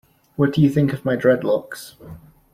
What do you think of my dreadlocks?